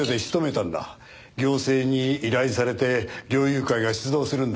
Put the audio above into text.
行政に依頼されて猟友会が出動するんだ。